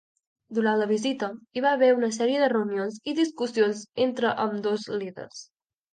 Durant la visita, hi va haver una sèrie de reunions i discussions entre ambdós líders.